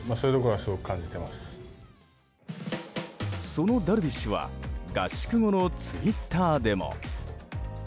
そのダルビッシュは合宿後のツイッターでも。